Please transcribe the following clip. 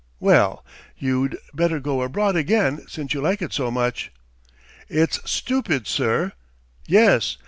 ..." "Well, you'd better go abroad again since you like it so much." "It's stupid, sir! Yes!